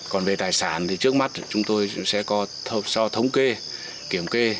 còn về tài sản thì trước mắt chúng tôi sẽ có thống kê kiểm kê